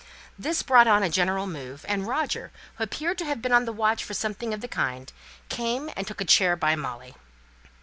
This brought on a general move; and Roger, who appeared to have been on the watch for something of the kind, came and took a chair by Molly.